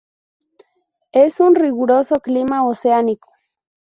Es un riguroso clima oceánico.